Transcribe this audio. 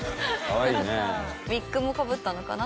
ウィッグもかぶったのかな？